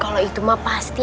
kalau itu emak pasti ya tuma